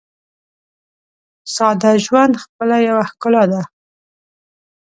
ساده ژوند خپله یوه ښکلا ده.